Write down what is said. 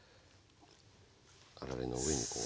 あられの上にこう。